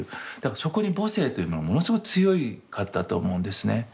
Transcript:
そこに母性というのがものすごい強かったと思うんですね。